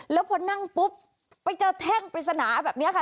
แล้วพอนั่งปุ๊บไปเจอแท่งปริศนาแบบนี้ค่ะ